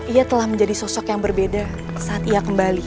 ia telah menjadi sosok yang berbeda saat ia kembali